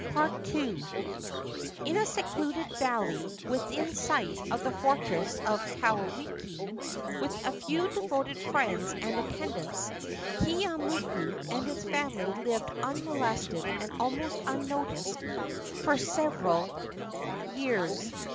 II. In a secluded valley within sight of the fortress of Kauwiki, with a few devoted friends and attendants, Keeaumoku and his family lived unmolested and almost unnoticed for several years.